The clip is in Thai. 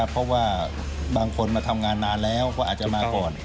เพราะว่าบางคนมาทำงานนานแล้วก็อาจจะมาก่อน